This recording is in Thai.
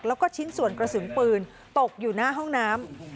แล้วก็ชิ้นส่วนกระสุนปืนตกอยู่หน้าห้องน้ำ